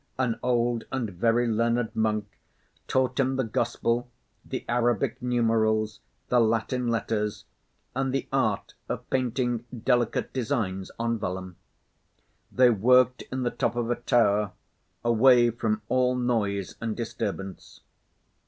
An old and very learned monk taught him the Gospel, the Arabic numerals, the Latin letters, and the art of painting delicate designs on vellum. They worked in the top of a tower, away from all noise and disturbance.